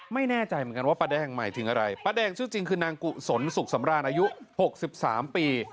ไม่แน่ใจเหมือนกันว่าป้าแดงหมายถึงอะไรป้าแดงชื่อจริงคือนางกุศลสุขสำราญอายุ๖๓ปี